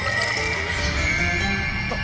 あっ！